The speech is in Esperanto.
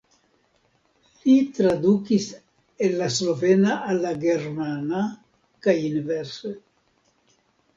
Li tradukis el la slovena al la germana kaj inverse.